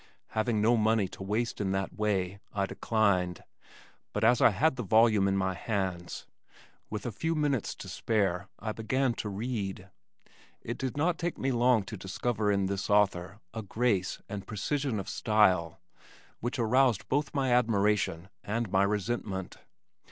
Having no money to waste in that way, I declined, but as I had the volume in my hands, with a few minutes to spare, I began to read. It did not take me long to discover in this author a grace and precision of style which aroused both my admiration and my resentment.